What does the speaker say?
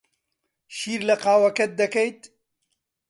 شیر لە قاوەکەت دەکەیت؟